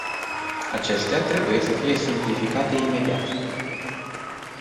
Acestea trebuie să fie simplificate imediat.